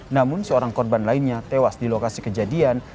namun seorang korban lainnya tewas di lokasi kejadian